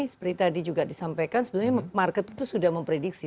seperti tadi juga disampaikan sebenarnya market itu sudah memprediksi